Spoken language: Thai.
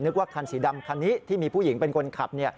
ว่าคันสีดำคันนี้ที่มีผู้หญิงเป็นคนขับ